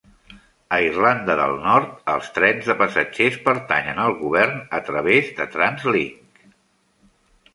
A Irlanda del Nord, els trens de passatgers pertanyen al govern a través de Translink.